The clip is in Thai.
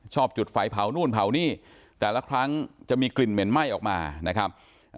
จุดไฟเผานู่นเผานี่แต่ละครั้งจะมีกลิ่นเหม็นไหม้ออกมานะครับ